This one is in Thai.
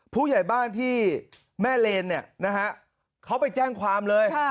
ผู้ใหญ่บ้านที่แม่เลนเนี่ยนะฮะเขาไปแจ้งความเลย